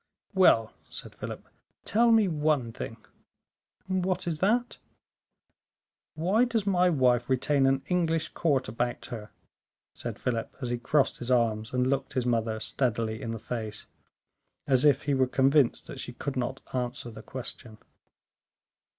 "Well," said Philip, "tell me one thing." "What is that?" "Why does my wife retain an English court about her?" said Philip, as he crossed his arms and looked his mother steadily in the face, as if he were convinced that she could not answer the question.